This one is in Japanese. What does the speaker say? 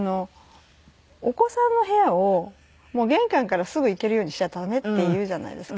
お子さんの部屋を玄関からすぐ行けるようにしちゃダメっていうじゃないですか。